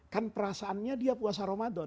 kan perasaannya dia puasa ramadan